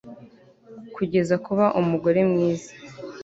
kugeza kuba umugore mwiza